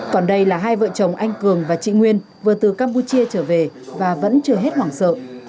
còn đây là hai vợ chồng anh cường và chị nguyên vừa từ campuchia trở về và vẫn chưa hết hoảng sợ